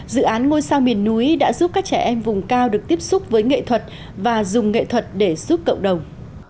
dự án ngôi sao miền núi đã giúp các trẻ em vùng cao được tiếp xúc với nghệ thuật và dùng nghệ thuật để giúp cộng đồng